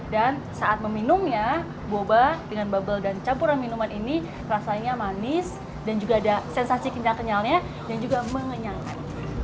dan saat meminumnya boba dengan bubble dan campuran minuman ini rasanya manis dan juga ada sensasi kenyal kenyalnya yang juga mengenyangkan